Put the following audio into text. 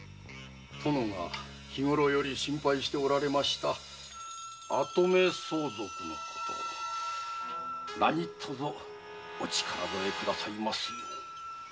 殿が日ごろより心配しておられました跡目相続のことなにとぞお力添えくださいますよう。